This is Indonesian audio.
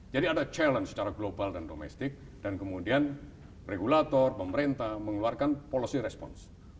jadi ada challenge secara global dan domestik dan kemudian regulator pemerintah mengeluarkan policy response